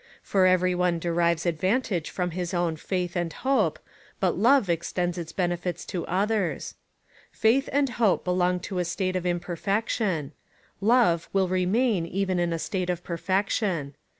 For every one derives advantage from his own faith and hope, but love extends its benefits to others. Faith and hope be long to a state of imperfection : love will remain even in a state of perfection.